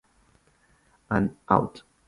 And Out!